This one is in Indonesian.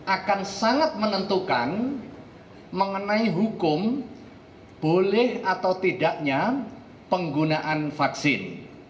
akan sangat menentukan mengenai hukum boleh atau tidaknya penggunaan vaksin